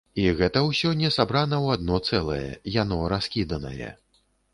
І гэта ўсё не сабрана ў адно цэлае, яно раскіданае.